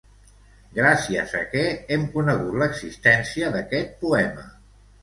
Gràcies a què hem conegut l'existència d'aquest poema?